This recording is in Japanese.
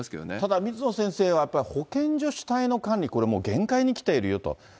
ただ、水野先生は、やっぱり保健所主体の管理、これはもう、限界に来ているよと。